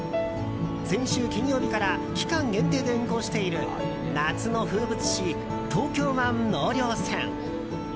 先週金曜日から期間限定で運航している夏の風物詩、東京湾納涼船。